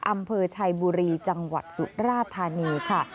อำเภอชัยบุรีจังหวัดสุราธานีค่ะ